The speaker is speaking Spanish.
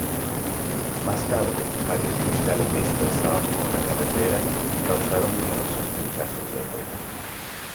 Más tarde, varios cristales dispersados por la carretera causaron numerosos pinchazos de rueda.